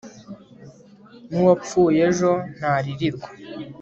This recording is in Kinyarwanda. nuwapfuye ejo ntaririrwa